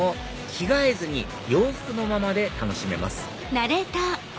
着替えずに洋服のままで楽しめます